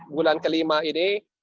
bulan kelima ini